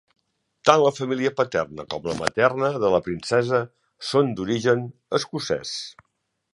Tant la família paterna com la materna de la princesa són d'origen escocès.